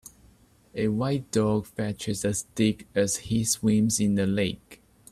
A white dog fetches a stick as he swims in a lake